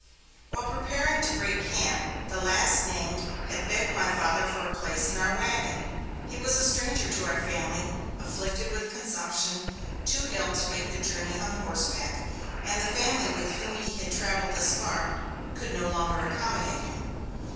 While we were preparing to break camp, the last named had begged my father for a place in our wagon. He was a stranger to our family, afflicted with consumption, too ill to make the journey on horseback, and the family with whom he had travelled thus far could no longer accommodate him.